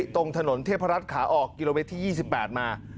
ตรงถนนเทพรัฐขาออกกิโลเมตรที่๒๘มา